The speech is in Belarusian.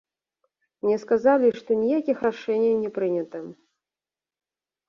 Мне сказалі, што ніякіх рашэнняў не прынята.